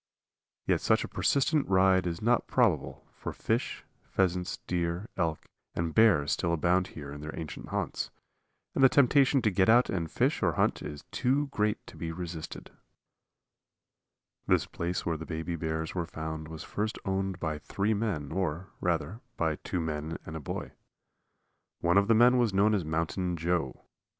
Yet such a persistent ride is not probable, for fish, pheasants, deer, elk, and bear still abound here in their ancient haunts, and the temptation to get out and fish or hunt is too great to be resisted. [Illustration: He threw his enormous bulk back on his haunches, and rose up. Page 40.] This place where the baby bears were found was first owned by three men or, rather, by two men and a boy. One of the men was known as Mountain Joe.